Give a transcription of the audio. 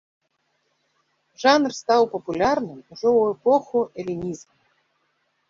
Жанр стаў папулярным ужо ў эпоху элінізму.